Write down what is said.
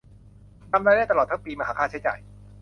นำรายได้ตลอดทั้งปีมาหักค่าใช้จ่าย